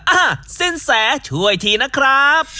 อ่ะสินแสช่วยทีนะครับ